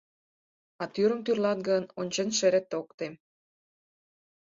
А тӱрым тӱрла гын, ончен шерет ок тем!